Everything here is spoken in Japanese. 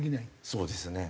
そうですね。